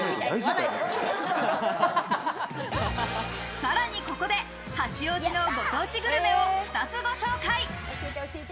さらにここで八王子のご当地グルメを２つご紹介。